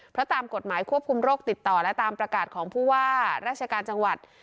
เพราะตามกฎหมายควบคุมโรคติดต่อและตามประกาศของผู้ว่าราชการจังหวัด